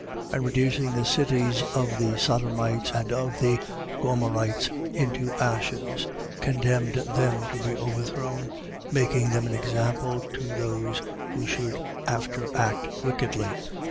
2:6. And reducing the cities of the Sodomites and of the Gomorrhites into ashes, condemned them to be overthrown, making them an example to those that should after act wickedly, 2:7.